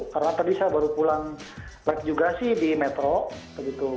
karena tadi saya baru pulang baik juga sih di metro begitu